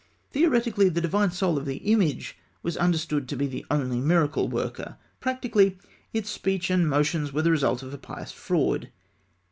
Theoretically, the divine soul of the image was understood to be the only miracle worker; practically, its speech and motion were the results of a pious fraud.